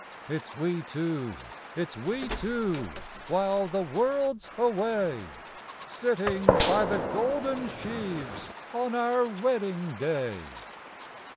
It's we two, it's we two, while the world's away, Sitting by the golden sheaves on our wedding day.